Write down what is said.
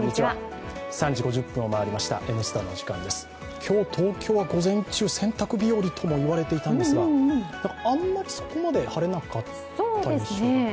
今日、東京は午前中、洗濯日和ともいわれていたんですがあんまりそこまで晴れなかったですよね。